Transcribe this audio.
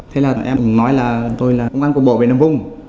thế là em nói là tôi là công an công bộ về nằm vùng